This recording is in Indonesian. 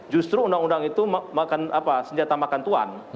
justru undang undang itu senjata makan tuan